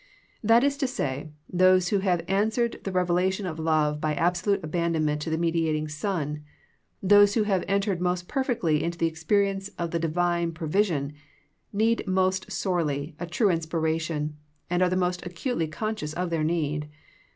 That is to say those who have answered the reve lation of love by absolute abandonment to the mediating Son ; those who have entered most perfectly into the experience of the Divine pro vision, need most sorely a true inspiration, and are the most acutely conscious of their need.